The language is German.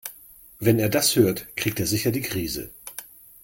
Wenn er das hört, kriegt er sicher die Krise.